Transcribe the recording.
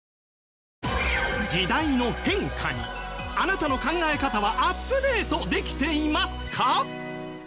時代の変化にあなたの考え方はアップデートできていますか？